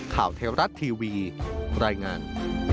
ข่าวเทราะห์ทีวีรายงาน